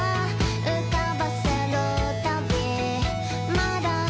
「浮かばせるたびまだ」